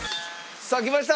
さあきました！